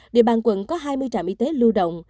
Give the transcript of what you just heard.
địa bàn quận có hai mươi trạm y tế lưu động